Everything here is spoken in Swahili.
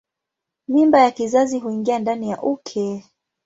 Mimba ya kizazi huingia ndani ya uke.